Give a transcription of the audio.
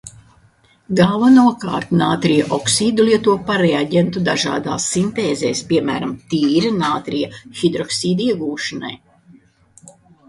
Galvenokārt nātrija oksīdu lieto par reaģentu dažādās sintēzēs, piemēram, tīra nātrija hidroksīda iegūšanai.